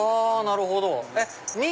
なるほど。